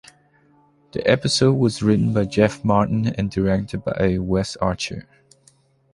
The episode was written by Jeff Martin and directed by Wes Archer.